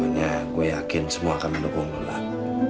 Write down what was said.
pokoknya gue yakin semua akan mendukung dulu lah